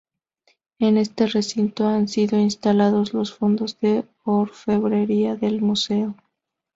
En este recinto han sido instalados los fondos de orfebrería del museo.